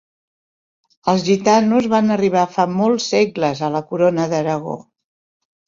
Els gitanos van arribar fa molts segles a la Corona d'Aragó.